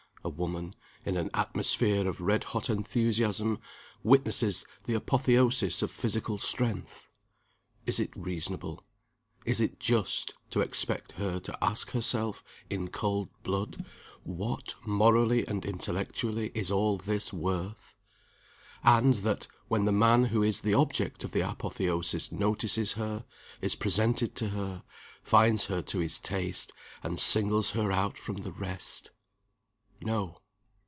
A woman, in an atmosphere of red hot enthusiasm, witnesses the apotheosis of Physical Strength. Is it reasonable is it just to expect her to ask herself, in cold blood, What (morally and intellectually) is all this worth? and that, when the man who is the object of the apotheosis, notices her, is presented to her, finds her to his taste, and singles her out from the rest? No.